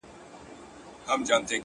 • د اباسین څپې دي یوسه کتابونه,